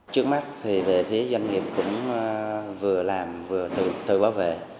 trước mắt thì về phía doanh nghiệp cũng vừa làm vừa tự bảo vệ